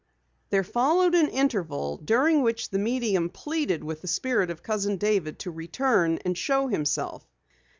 There followed an interval during which the medium pleaded with the Spirit of Cousin David to return and show himself.